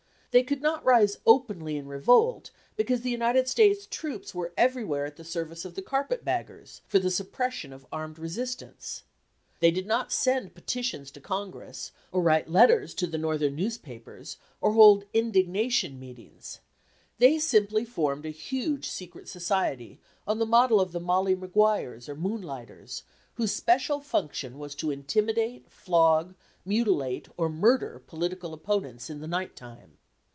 They could not rise openly in revolt because the United States troops were everywhere at the service of the carpet baggers, for the suppression of armed resistance. They did not send petitions to Congress, or write letters to the Northern newspapers, or hold indignation meetings. They simply formed a huge secret society on the model of the "Molly Maguires" or "Moonlighters," whose special function was to intimidate, flog, mutilate, or murder political opponents in the night time.